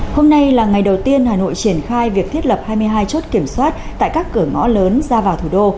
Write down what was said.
hôm nay là ngày đầu tiên hà nội triển khai việc thiết lập hai mươi hai chốt kiểm soát tại các cửa ngõ lớn ra vào thủ đô